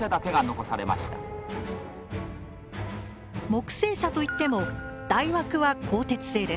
木製車といっても台枠は鋼鉄製です。